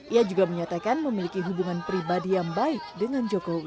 ia juga menyatakan memiliki hubungan pribadi yang baik dengan jokowi